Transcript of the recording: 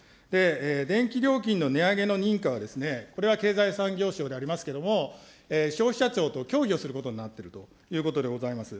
電気料金の値上げの認可は、これは経済産業省でありますけれども、消費者庁と協議をすることになっているということでございます。